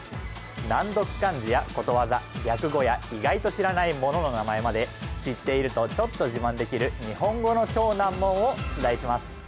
難読漢字やことわざ略語や意外と知らないものの名前まで知っているとちょっと自慢できる日本語の超難問を出題します